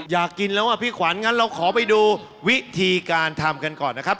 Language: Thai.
อยากกินแล้วอ่ะพี่ขวัญงั้นเราขอไปดูวิธีการทำกันก่อนนะครับ